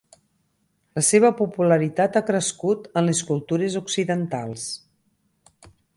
La seva popularitat ha crescut en les cultures occidentals.